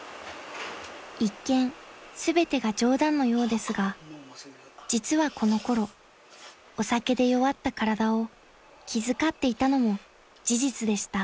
［一見全てが冗談のようですが実はこの頃お酒で弱った体を気遣っていたのも事実でした］